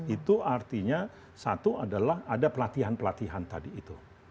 itu artinya satu adalah ada pelatihan pelatihan tadi itu